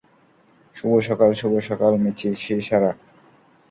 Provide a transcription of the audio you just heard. শুভ সকাল -শুভ সকাল মিচি, সে সারা।